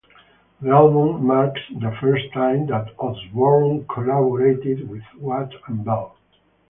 The album marks the first time that Osbourne collaborated with Watt and Bell.